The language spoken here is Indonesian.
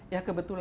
ya kebetulan ya